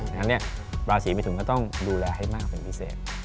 ดังนั้นราศีมิถุมก็ต้องดูแลให้มากเป็นพิเศษ